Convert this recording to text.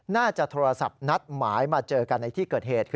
น่าจะโทรศัพท์นัดหมายมาเจอกันในที่เกิดเหตุ